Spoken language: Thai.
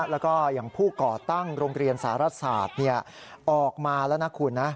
แล้วก็อย่างผู้ก่อตั้งโรงเรียนสารศาสตร์ออกมาแล้วนะคุณนะ